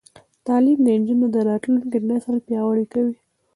تعلیم د نجونو راتلونکی نسل پیاوړی کوي.